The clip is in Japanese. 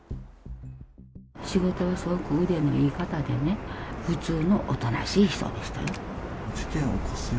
仕事はすごく腕のいい方でね、普通のおとなしい人でしたよ。